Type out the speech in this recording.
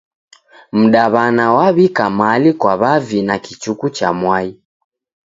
Mdaw'ana waw'ika mali kwa w'avi na kichuku cha mwai.